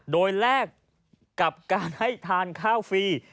โดยแลกกับการให้ทานข้าวฟรี